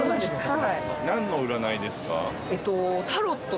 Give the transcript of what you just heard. はい。